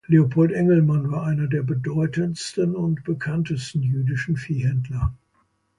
Leopold Engelmann war einer der bedeutendsten und bekanntesten jüdischer Viehhändler.